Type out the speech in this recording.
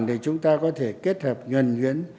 để chúng ta có thể kết hợp nhuận nhuyễn